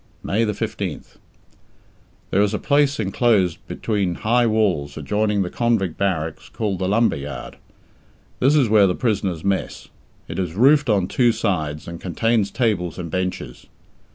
May 15th. There is a place enclosed between high walls adjoining the convict barracks, called the Lumber Yard. This is where the prisoners mess. It is roofed on two sides, and contains tables and benches.